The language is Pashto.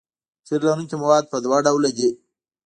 قیر لرونکي مواد په دوه ډوله دي